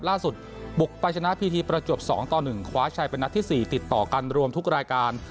ล่าสุดบุกไปชนะพีทีประจวบ๒ต่อ๑คว้าชัยเป็นนัดที่๔ติดต่อกันรวมทุกรายการ